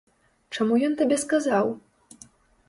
Чаму ён табе сказаў?